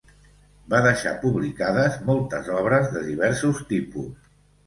Va deixar publicades moltes obres de diversos tipus.